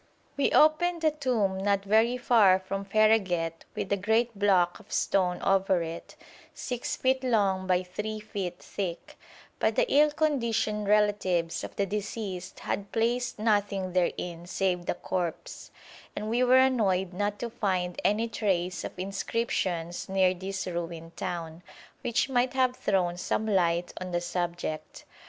We opened a tomb not very far from Fereghet with a great block of stone over it, 6 feet long by 3 feet thick; but the ill conditioned relatives of the deceased had placed nothing therein save the corpse; and we were annoyed not to find any trace of inscriptions near this ruined town, which might have thrown some light on the subject.